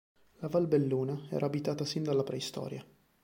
La Valbelluna era abitata sin dalla preistoria.